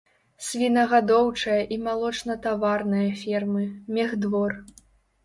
Свінагадоўчая і малочнатаварная фермы, мехдвор.